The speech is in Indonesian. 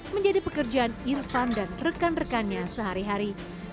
menjadi pekerjaan irfan dan rekan rekannya sehari hari